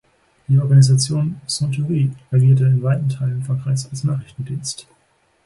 Die Organisation "Centurie" agierte in weiten Teilen Frankreichs als Nachrichtendienst.